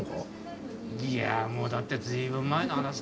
いやもうだって随分前の話だからね。